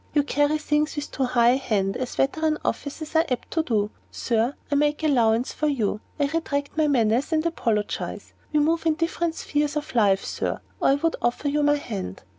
You carry things with too high a hand, as veteran officers are apt to do. Sir, I make allowance for you; I retract my menace, and apologize. We move in different spheres of life, Sir, or I would offer you my hand."